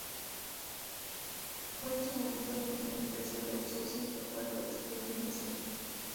Fue en su momento la primera empresa de outsourcing total para el sector financiero.